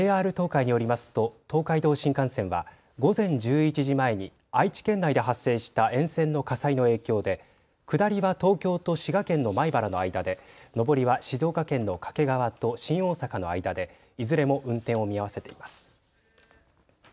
ＪＲ東海によりますと東海道新幹線は午前１１時前に愛知県内で発生した沿線の火災の影響で下りは東京と滋賀県の米原の間で、上りは静岡県の掛川と新大阪の間でいずれも運転を見合わせています。